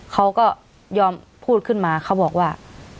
เขาก็ยอมพูดขึ้นมาเขาบอกว่า